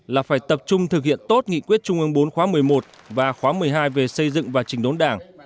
là phải tập trung thực hiện tốt nghị quyết trung ương bốn khóa một mươi một và khóa một mươi hai về xây dựng và trình đốn đảng